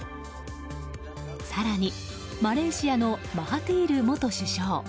更に、マレーシアのマハティール元首相。